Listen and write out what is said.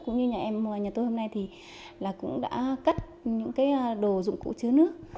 cũng như nhà em nhà tôi hôm nay thì cũng đã cất những đồ dụng cụ chứa nước